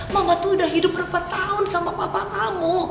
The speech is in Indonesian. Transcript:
mama tuh udah hidup berapa tahun sama papa kamu